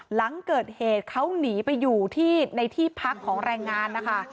หลังเกิดเหตุเขาหนีไปอยู่ที่ในที่พักของแรงงานนะคะ